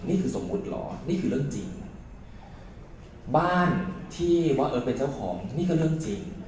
นี่คือสมมุติหรอนี่คือเรื่องจริงบ้านที่บังเอิ้นเป็นเจ้าของนี่ก็เรื่องจริง